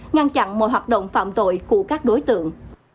ngăn chặn mọi hoạt động phạm tội của các đối tượng